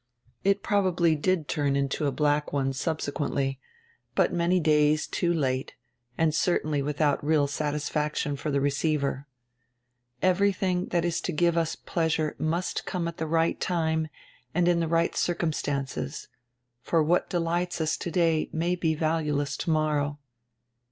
It probably did turn into a black one subsequendy, but many days too late and certainly widiout real satisfaction for die receiver. Every diing diat is to give us pleasure must come at die right time and in die right circumstances, for what delights us today may be valueless tomorrow.